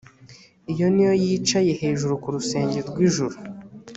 iyo ni yo yicaye hejuru ku rusenge rw ijuru